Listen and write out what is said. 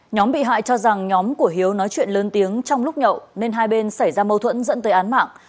nhóm bị hại cho rằng nhóm của hiếu nói chuyện lớn tiếng trong lúc nhậu nên hai bên xảy ra mâu thuẫn dẫn tới án mạng